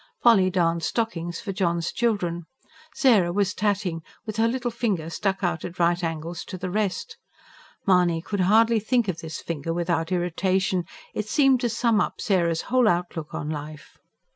Polly darned stockings, for John's children; Sarah was tatting, with her little finger stuck out at right angles to the rest. Mahony could hardly think of this finger without irritation: it seemed to sum up Sarah's whole outlook on life.